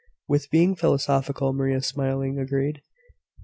"With being philosophical," Maria smilingly agreed.